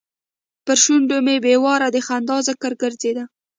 پر شونډو مې بې واره د خدای ذکر ګرځېده.